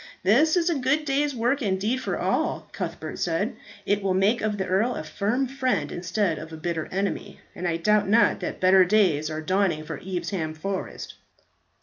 "This is a good day's work indeed for all," Cuthbert said; "it will make of the earl a firm friend instead of a bitter enemy; and I doubt not that better days are dawning for Evesham Forest."